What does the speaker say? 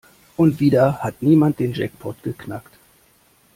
Und wieder hat niemand den Jackpot geknackt.